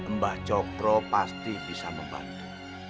mbah cokro pasti bisa membantu